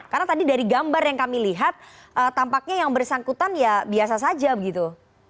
karena tadi dari gambar yang kami lihat tampaknya yang bersangkutan ya biasa saja begitu